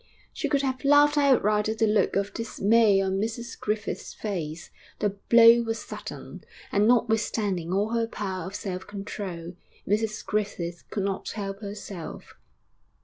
She could have laughed outright at the look of dismay on Mrs Griffith's face. The blow was sudden, and notwithstanding all her power of self control, Mrs Griffith could not help herself.